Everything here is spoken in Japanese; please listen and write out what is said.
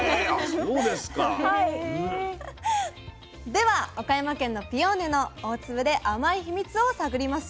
では岡山県のピオーネの大粒で甘いヒミツを探りますよ。